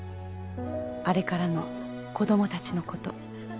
「あれからの子どもたちのこと」